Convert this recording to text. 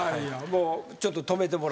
もうちょっと止めてもらって。